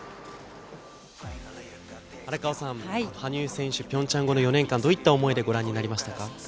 荒川さん、羽生選手、ピョンチャン後の４年間はどういった思いでご覧になりましたか？